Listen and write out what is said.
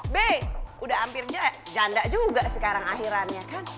b udah hampir janda juga sekarang akhirannya kan